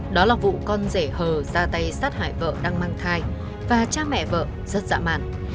đó là vụ con rể hờ ra tay sát hại vợ đang mang thai và cha mẹ vợ rất dã mạn